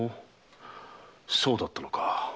そうだったのか。